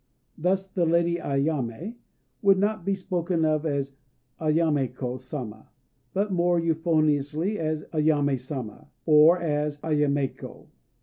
Thus "the Lady Ayamé" would not be spoken of as "Ayaméko Sama," but more euphoniously as "Ayamé Sama," or as "Ayaméko."